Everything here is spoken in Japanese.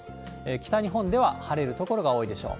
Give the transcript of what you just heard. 北日本では晴れる所が多いでしょう。